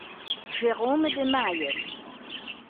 Jérôme de Mayer